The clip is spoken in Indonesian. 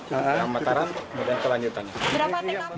yang mataran kemudian kelanjutannya